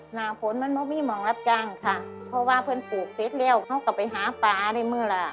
หน้าฝนมันมามีหมองรับจ้างค่ะเพราะว่าเพื่อนปลูกเสร็จแล้วเขาก็ไปหาปลาในเมื่อล่ะ